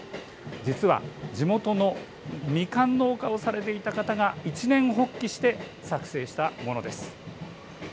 実は地元のみかん農家をされていた方が一念発起して作成したものです。